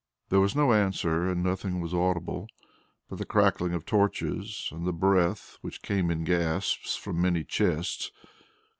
There was no answer, and nothing was audible but the crackling of torches and the breath which came in gasps from many chests.